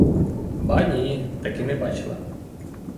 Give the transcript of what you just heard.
Ба ні, таки не бачила.